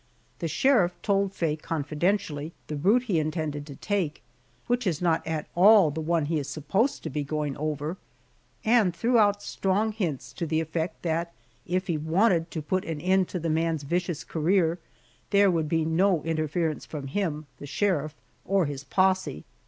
The sheriff told Faye confidentially the route he intended to take, which is not at all the one he is supposed to be going over, and threw out strong hints to the effect that if he wanted to put an end to the man's vicious career there would be no interference from him (the sheriff) or his posse.